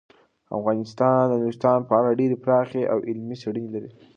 افغانستان د نورستان په اړه ډیرې پراخې او علمي څېړنې لري.